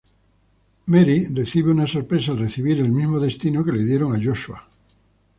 Mary recibe una sorpresa al recibir el mismo destino que le dieron a Joshua.